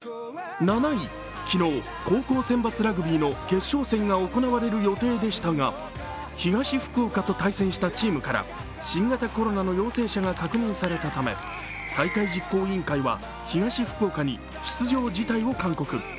７位、昨日、高校選抜ラグビーの決勝戦が行われる予定でしたが、東福岡と対戦したチームから新型コロナの陽性者が確認されたため、大会実行委員会は東福岡に出場辞退を勧告。